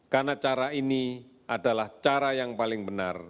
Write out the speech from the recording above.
karena cara ini adalah cara yang paling benar